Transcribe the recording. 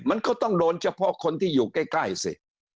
มันก็ต้องโดนเฉพาะคนที่อยู่ใกล้สิ